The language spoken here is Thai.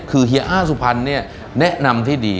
คือเฮียอ้าสุพรรณเนี่ยแนะนำที่ดี